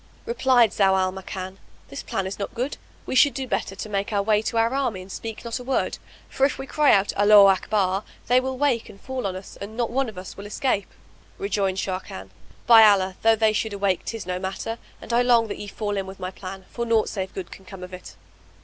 Replied Zau al Makan, "This plan is not good; we should do better to make our way to our army and speak not a word; for if we cry out 'Allaho Akbar,' they will wake and fall on us and not one of us will escape." Rejoined Sharrkan, "By Allah, though they should awake tis no matter, and I long that ye fall in with my plan, for naught save good can come of it!"